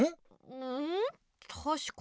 うんたしかに。